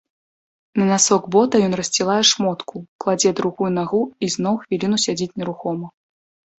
На насок бота ён рассцілае шмотку, кладзе другую нагу і зноў хвіліну сядзіць нерухома.